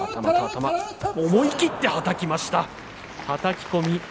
はたき込み。